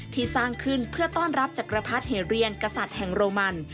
สร้างขึ้นเพื่อต้อนรับจักรพรรดิเหเรียนกษัตริย์แห่งโรมัน